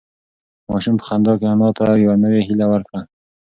ماشوم په خندا کې انا ته یوه نوې هیله ورکړه.